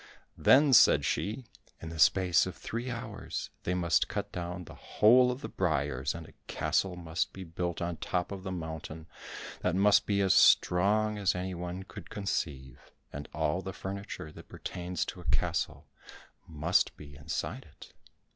Then said she, "In the space of three hours they must cut down the whole of the briars, and a castle must be built on the top of the mountain that must be as strong as any one could conceive, and all the furniture that pertains to a castle must be inside it."